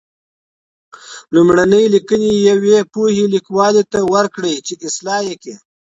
لومړني لیکنې یوې پوهې لیکوال ته ورکړئ چې اصلاح یې کړي.